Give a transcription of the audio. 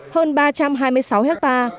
hơn ba trăm hai mươi sáu ha